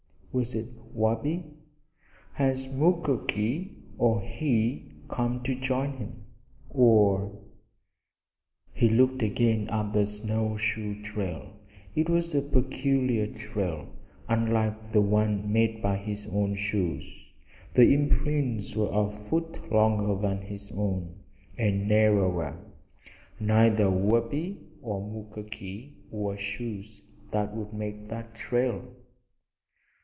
Was it Wabi? Had Mukoki or he come to join him? Or He looked again at the snow shoe trail. It was a peculiar trail, unlike the one made by his own shoes. The imprints were a foot longer than his own, and narrower. Neither Wabi nor Mukoki wore shoes that would make that trail!